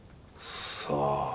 さあ。